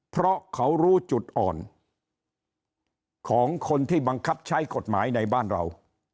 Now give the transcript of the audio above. เพราะเขารู้จุดอ่อนของคนที่บังคับใช้กฎหมายในบ้านเรา